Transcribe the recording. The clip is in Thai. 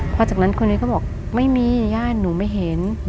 พอจากนั้นคนนี้ก็บอกไม่มีญาติหนูไม่เห็น